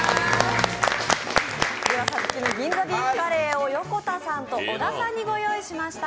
ではＳＡＴＳＵＫＩの銀座ビーフカレーを横田さんと小田さんにご用意しました。